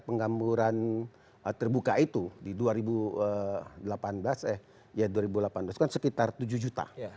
penggamburan terbuka itu di dua ribu delapan belas eh ya dua ribu delapan belas kan sekitar tujuh juta